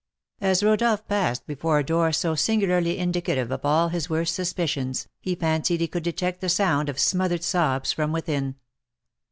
As Rodolph passed before a door so singularly indicative of all his worst suspicions, he fancied he could detect the sound of smothered sobs from within.